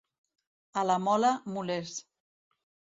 A la Mola, molers.